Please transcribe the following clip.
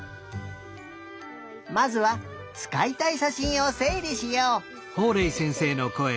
まずはつかいたいしゃしんをせいりしよう！